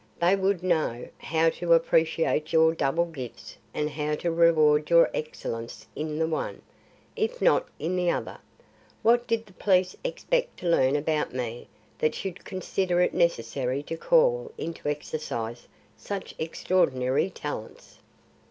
They would know how to appreciate your double gifts and how to reward your excellence in the one, if not in the other. What did the police expect to learn about me that they should consider it necessary to call into exercise such extraordinary talents?"